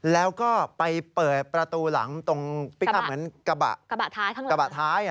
แล้วก็ไปเปิดประตูหลังตรงกระบะท้าย